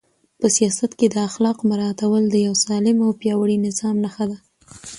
په سیاست کې د اخلاقو مراعاتول د یو سالم او پیاوړي نظام نښه ده.